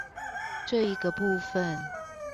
這一個部分